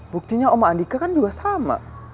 buktinya sama andika kan juga sama